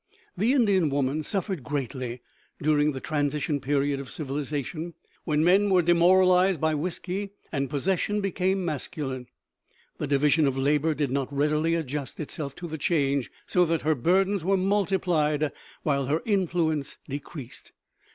The Indian woman suffered greatly during the transition period of civilization, when men were demoralized by whiskey, and possession became masculine. The division of labor did not readily adjust itself to the change, so that her burdens were multiplied while her influence decreased.